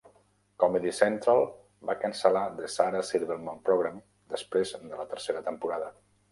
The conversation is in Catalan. Comedy Central va cancel·lar "The Sarah Silverman Program" després de la tercera temporada.